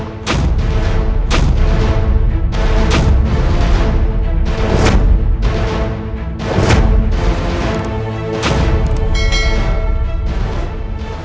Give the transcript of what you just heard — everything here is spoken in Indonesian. kita menemani kebenaran